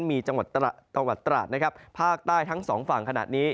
มีจังหวัดตราดนะครับภาคใต้ทั้งสองฝั่งขณะนี้